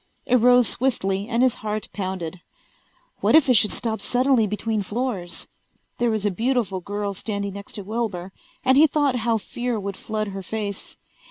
It rose swiftly and his heart pounded. What if it should stop suddenly between floors? There was a beautiful girl standing next to Wilbur and he thought how fear would flood her face.